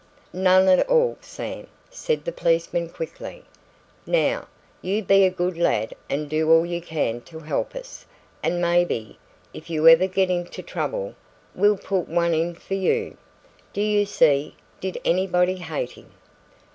"None at all, Sam," said the policeman quickly. "Now, you be a good lad and do all you can to help us, and maybe, if you ever get into trouble, we'll put one in for you. Do you see? Did anybody hate him?"